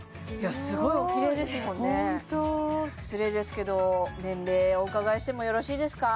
すごいおキレイですもんね失礼ですけど年齢お伺いしてもよろしいですか？